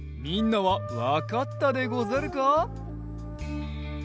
みんなはわかったでござるか？